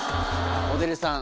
モデルさん